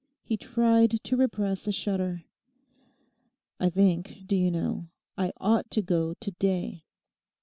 He tried to repress a shudder. 'I think, do you know, I ought to go to day.